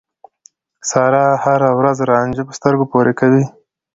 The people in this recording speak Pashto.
سارا هر ورځ رانجه په سترګو پورې کوي.